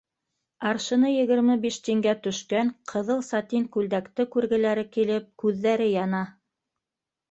Аршыны егерме биш тингә төшкән ҡыҙыл сатин күлдәкте күргеләре килеп күҙҙәре яна.